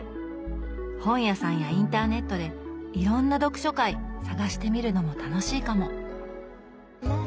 本屋さんやインターネットでいろんな読書会探してみるのも楽しいかも。